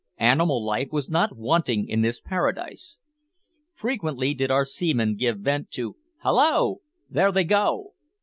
Animal life was not wanting in this paradise. Frequently did our seaman give vent to "Hallo!" "There they go!"